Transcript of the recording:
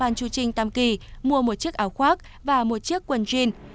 phương đi đến bàn chú trinh tam kỳ mua một chiếc áo khoác và một chiếc quần jean